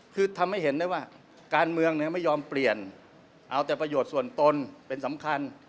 คือทำให้เห็นได้ว่าการเมืองไม่ยอมเปลี่ยนเอาแต่ประโยชน์ส่วนตนเป็นสำคัญ